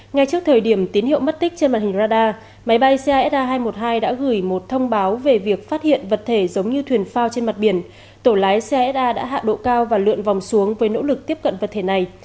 ngay trước thời điểm tín hiệu mất tích trên màn hình radar máy bay csa hai trăm một mươi hai đã gửi một thông báo về việc phát hiện vật thể giống như thuyền phao trên mặt biển tổ lái csa đã hạ độ cao và lượn vòng xuống với nỗ lực tiếp cận vật thể này